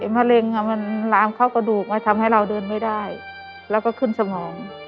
มะเร็งมันลามเข้ากระดูกทำให้เราเดินไม่ได้แล้วก็ขึ้นสมอง